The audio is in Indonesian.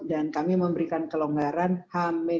dan kami memberikan kelonggaran h satu